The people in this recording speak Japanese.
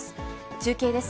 中継です。